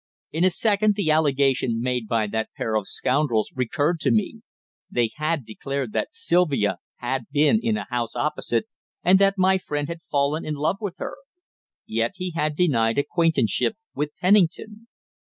In a second the allegation made by that pair of scoundrels recurred to me. They had declared that Sylvia had been in a house opposite, and that my friend had fallen in love with her. Yet he had denied acquaintanceship with Pennington!